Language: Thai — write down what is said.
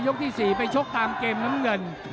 ที่๔ไปชกตามเกมน้ำเงิน